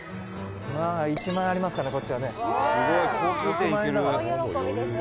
「１万円ありますからこっちはね」